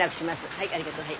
はいありがとうはい。